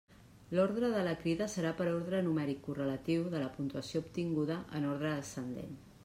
L'ordre de la crida serà per ordre numèric correlatiu de la puntuació obtinguda en ordre descendent.